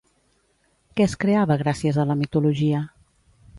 Què es creava gràcies a la mitologia?